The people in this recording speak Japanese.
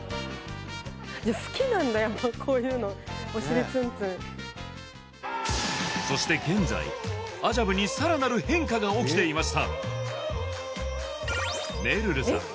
やっぱこういうのそして現在アジャブにさらなる変化が起きていましためるるさん